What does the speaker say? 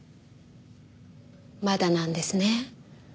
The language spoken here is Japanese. まだなんですね？